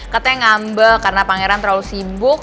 katanya ngambek karena pangeran terlalu sibuk